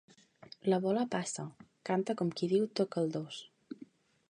La bola passa —canta com qui diu toca-el-dos.